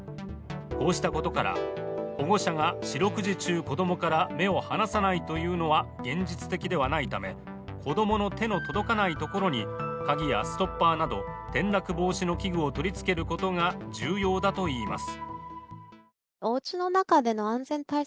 こうしたことから、保護者が四六時中、子供から目を離さないというのは現実的ではないため、子供の手の届かないところに鍵やストッパーなど転落防止の器具を取り付けることが重要だといいます。